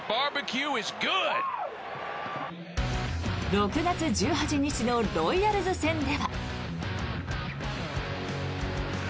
６月１８日のロイヤルズ戦では。